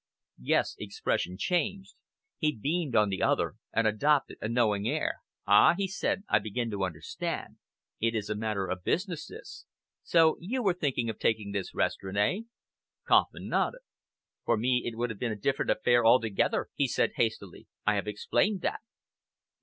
Guest's expression changed. He beamed on the other and adopted a knowing air. "Aha!" he said, "I begin to understand. It is a matter of business this. So you were thinking of taking this restaurant, eh?" Kauffman nodded. "For me it would be a different affair altogether," he said hastily. "I have explained that."